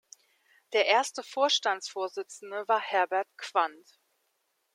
Der erste Vorstandsvorsitzende war Herbert Quandt.